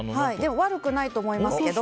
悪くないと思います。